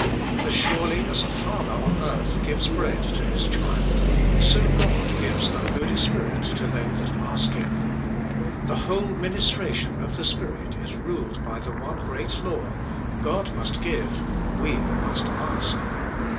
As surely as a father on earth gives bread to his child, so God gives the Holy Spirit to them that ask Him. The whole ministration of the Spirit is ruled by the one great law : God must give, we must ask.